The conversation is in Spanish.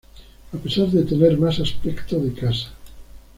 A pesar de tener mas aspecto de casa.